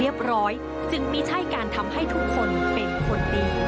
เรียบร้อยจึงไม่ใช่การทำให้ทุกคนเป็นคนดี